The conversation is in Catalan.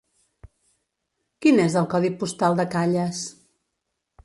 Quin és el codi postal de Calles?